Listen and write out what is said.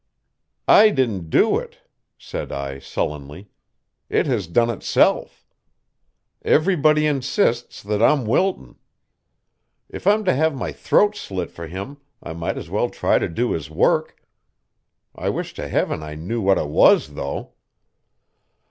"I didn't do it," said I sullenly. "It has done itself. Everybody insists that I'm Wilton. If I'm to have my throat slit for him I might as well try to do his work. I wish to Heaven I knew what it was, though."